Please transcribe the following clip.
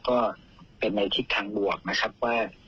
ก็เป็นในทิศทางบวกนะครับว่า